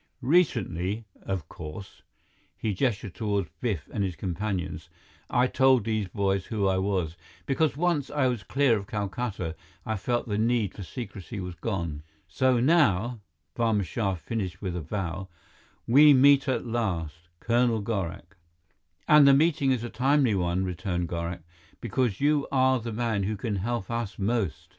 Recently, of course" he gestured toward Biff and his companions "I told these boys who I was, because once I was clear of Calcutta, I felt the need for secrecy was gone. So now" Barma Shah finished with a bow "we meet at last, Colonel Gorak." "And the meeting is a timely one," returned Gorak, "because you are the man who can help us most."